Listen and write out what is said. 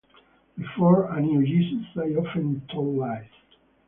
Before I knew Jesus, I often told lies.